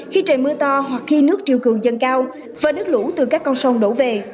khi trời mưa to hoặc khi nước triều cường dâng cao và nước lũ từ các con sông đổ về